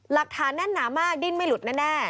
หลักฐานแน่นหนามากดิ้นไม่หลุดแน่